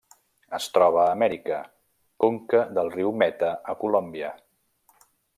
Es troba a Amèrica: conca del riu Meta a Colòmbia.